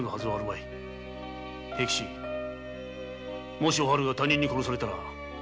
もしお春が他人に殺されたら。